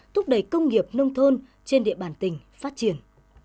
thúc đẩy công nghiệp nông thôn trên địa bàn tỉnh phát triển